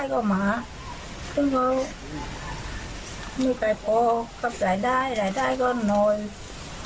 ซึ่งก็ไม่ได้พอก็ปลายได้ปลายได้ก็หน่อย